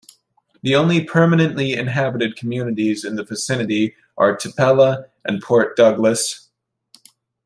The only permanently inhabited communities in the vicinity are Tipella and Port Douglas.